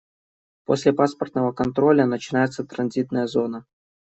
После паспортного контроля начинается транзитная зона.